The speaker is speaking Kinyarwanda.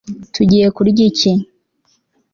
tugiye kurya iki